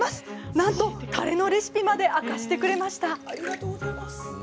なんと、たれのレシピまで明かしてくれました。